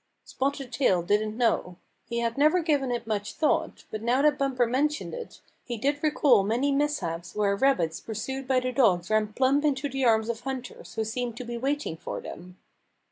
Spotted Tail didn't know. He had never given it much thought; but now that Bumper mentioned it he did recall many mishaps where rabbits pursued by the dogs ran plump into the arms of hunters who seemed to be waiting for them.